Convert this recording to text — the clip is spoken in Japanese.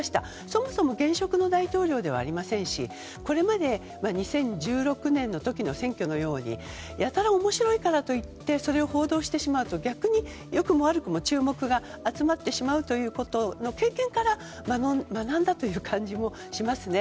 そもそも現職の大統領ではありませんしこれまで２０１６年の時の選挙のようにやたら面白いからといってそれを報道してしまうと逆に良くも悪くも、注目が集まってしまうということの経験から学んだという感じもしますね。